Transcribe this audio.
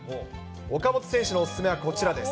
岡本選手のお勧めはこちらです。